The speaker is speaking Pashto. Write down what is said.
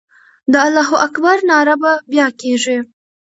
د الله اکبر ناره به بیا کېږي.